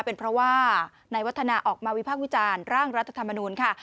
เป็นเพราะว่าในวัฒนาออกมาวิพากษ์วิจารณ์ร่างรัฐธรรมนูลค่ะ